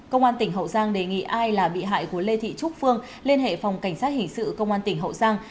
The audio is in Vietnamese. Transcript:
công an tỉnh hậu giang đề nghị ai là bị hại của lê thị trúc phương liên hệ phòng cảnh sát hình sự công an tỉnh hậu giang